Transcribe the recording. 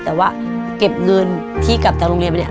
แต่ว่าเก็บเงินที่กลับจากโรงเรียนไปเนี่ย